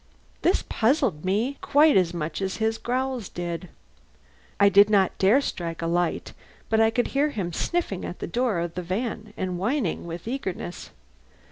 This puzzled me quite as much as his growls. I did not dare strike a light, but could hear him sniffing at the door of the van and whining with eagerness.